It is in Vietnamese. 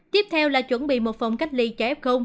tiếp theo là chuẩn bị một phòng cách ly cho f